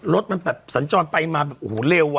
รถมันแบบสัญจรไปมาโอ้โหเลวอะ